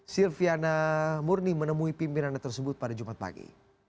silviana murni menemui pimpinannya tersebut pada jumat pagi